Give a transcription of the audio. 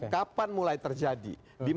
kapan mulai terjadi